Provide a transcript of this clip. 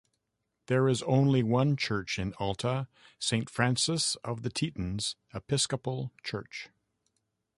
There is only one church in Alta: Saint Francis of the Tetons Episcopal Church.